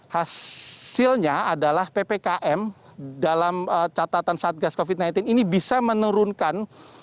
hasilnya adalah ppkm dalam catatan satgas covid sembilan belas ini bisa menurunkan